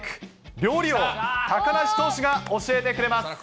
料理王、高梨投手が教えてくれます。